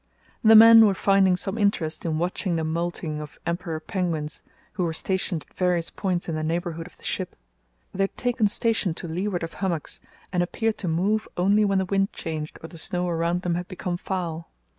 The men were finding some interest in watching the moulting of emperor penguins, who were stationed at various points in the neighbourhood of the ship. They had taken station to leeward of hummocks, and appeared to move only when the wind changed or the snow around them had become foul.